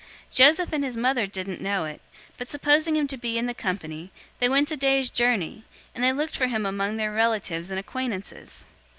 Joseph and his mother didn't know it, 002:044 but supposing him to be in the company, they went a day's journey, and they looked for him among their relatives and acquaintances.